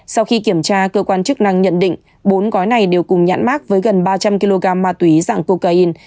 sau khi kiểm tra cơ quan chức năng nhận định bốn gói này đều cùng nhãn mát với gần ba trăm linh kg ma túy dạng cocaine